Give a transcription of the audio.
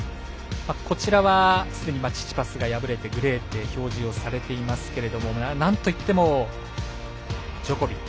こちらはすでにチチパスが敗れてグレ−で表示されていますがなんといってもジョコビッチ。